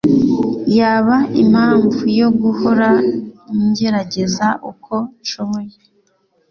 yaba impamvu yo guhora ngerageza uko nshoboye